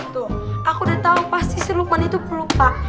tuh aku udah tahu pasti si lukman itu pelupa